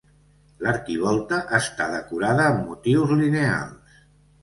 L'arquivolta està decorada amb motius lineals.